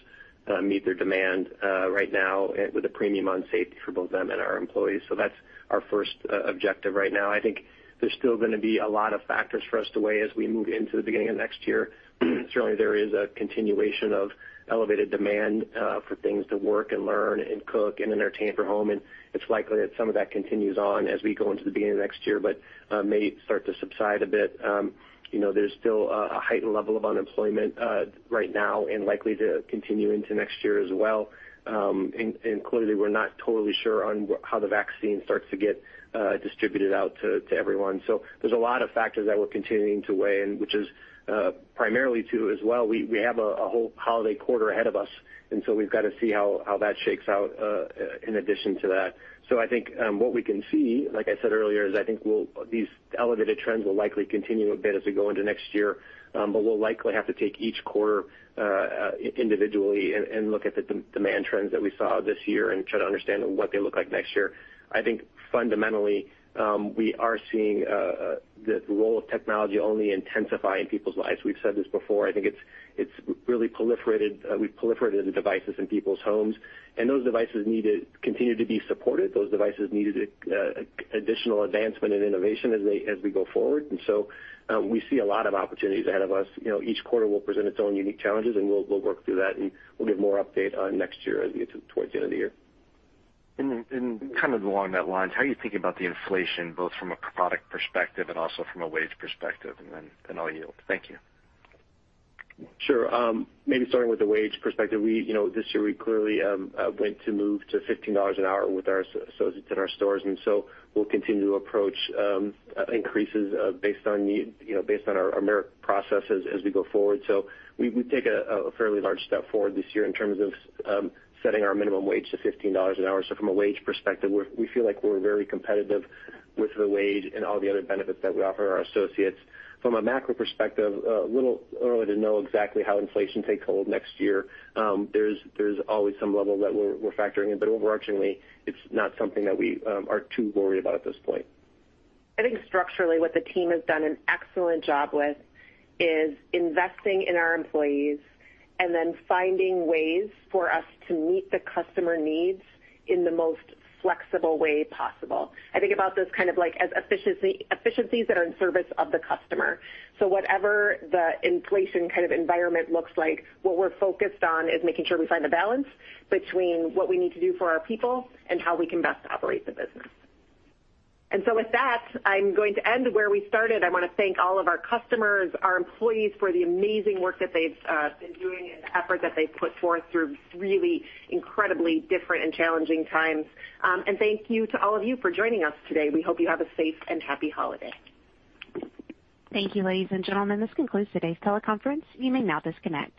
S4: meet their demand right now with a premium on safety for both them and our employees. That's our first objective right now. I think there's still going to be a lot of factors for us to weigh as we move into the beginning of next year. Certainly, there is a continuation of elevated demand for things to work and learn and cook and entertain from home. It's likely that some of that continues on as we go into the beginning of next year but may start to subside a bit. There's still a heightened level of unemployment right now and likely to continue into next year as well. Clearly, we're not totally sure on how the vaccine starts to get distributed out to everyone. There's a lot of factors that we're continuing to weigh and which is primarily, too, as well, we have a whole holiday quarter ahead of us, and so we've got to see how that shakes out in addition to that. I think what we can see, like I said earlier, is I think these elevated trends will likely continue a bit as we go into next year. We'll likely have to take each quarter individually and look at the demand trends that we saw this year and try to understand what they look like next year. I think fundamentally, we are seeing the role of technology only intensify in people's lives. We've said this before. I think it's really proliferated. We've proliferated the devices in people's homes, and those devices need to continue to be supported. Those devices need additional advancement and innovation as we go forward. We see a lot of opportunities ahead of us. Each quarter will present its own unique challenges, and we'll work through that, and we'll give more update on next year as we get towards the end of the year.
S14: Kind of along that line, how are you thinking about the inflation, both from a product perspective and also from a wage perspective? Then I'll yield. Thank you.
S4: Sure. Maybe starting with the wage perspective. This year, we clearly went to move to $15 an hour with our associates in our stores, we'll continue to approach increases based on need, based on our merit processes as we go forward. We took a fairly large step forward this year in terms of setting our minimum wage to $15 an hour. From a wage perspective, we feel like we're very competitive with the wage and all the other benefits that we offer our associates. From a macro perspective, a little early to know exactly how inflation takes hold next year. There's always some level that we're factoring in, overarchingly, it's not something that we are too worried about at this point.
S3: I think structurally, what the team has done an excellent job with is investing in our employees and then finding ways for us to meet the customer needs in the most flexible way possible. I think about those kind of like as efficiencies that are in service of the customer. Whatever the inflation kind of environment looks like, what we're focused on is making sure we find the balance between what we need to do for our people and how we can best operate the business. With that, I'm going to end where we started. I want to thank all of our customers, our employees, for the amazing work that they've been doing and the effort that they've put forth through really incredibly different and challenging times. Thank you to all of you for joining us today. We hope you have a safe and happy holiday.
S1: Thank you, ladies and gentlemen. This concludes today's teleconference. You may now disconnect.